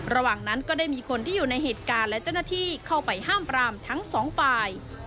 ระหว่างนั้นก็ได้มีคนที่อยู่ในเหตุการณ์และเจ้าหน้าที่เข้าไปห้ามปรามทั้งสองฝ่าย